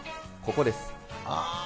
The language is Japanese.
ここです。